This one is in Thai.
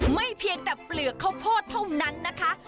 เพียงแต่เปลือกข้าวโพดเท่านั้นนะคะ